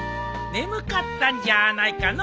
眠かったんじゃないかのう。